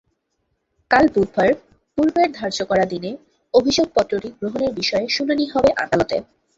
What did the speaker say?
কাল বুধবার পূর্বের ধার্য করা দিনে অভিযোগপত্রটি গ্রহণের বিষয়ে শুনানি হবে আদালতে।